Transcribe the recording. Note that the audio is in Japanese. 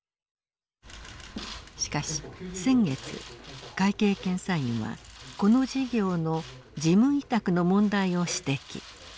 しかし先月会計検査院はこの事業の事務委託の問題を指摘。